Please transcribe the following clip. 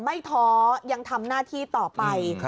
ท้อยังทำหน้าที่ต่อไป